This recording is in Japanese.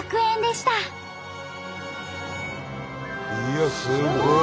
いやすごい！